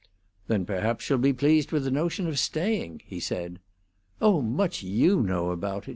"Then perhaps she'll be pleased with the notion of staying," he said. "Oh, much you know about it!"